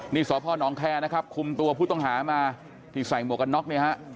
นี่สพนแคร์นะครับคุมตัวผู้ต้องหามาที่ใส่หมวกกันน็อกเนี่ยฮะ